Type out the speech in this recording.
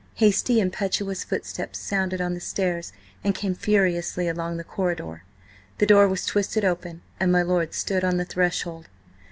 Hasty, impetuous footsteps sounded on the stairs, and came furiously along the corridor. The door was twisted open, and my lord stood on the threshold.